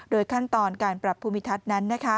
ขั้นตอนการปรับภูมิทัศน์นั้น